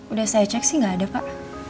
udah saya cek sih nggak ada pak